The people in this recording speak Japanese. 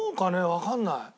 わかんない。